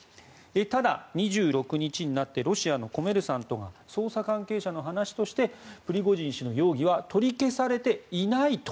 ただ、２６日になってロシアのコメルサントが捜査関係者の話としてプリゴジン氏の容疑は取り消されていないと。